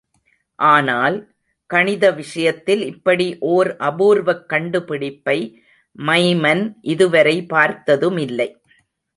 ஆனால், கணித விஷயத்தில் இப்படி ஓர் ஆபூர்வக் கண்டுபிடிப்பை மைமன் இது வரை பார்த்ததுமில்லை.